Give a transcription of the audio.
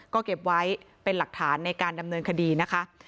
ก็เก็บไว้เป็นหลักฐานในการดำเนินคดีนะคะ